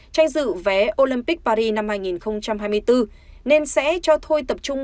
tranh dự vé olympic paris năm hai nghìn hai mươi bốn nên sẽ cho thôi tập trung hai huấn luyện viên